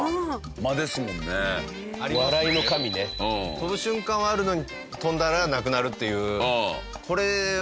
飛ぶ瞬間はあるのに飛んだらなくなるっていう。